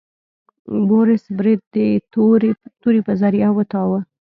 بوریس برید د تورې په ذریعه وتاوه.